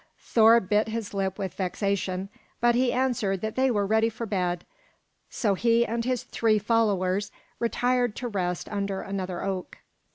Thor bit his lip with vexation, but he answered that they were ready for bed; so he and his three followers retired to rest under another oak.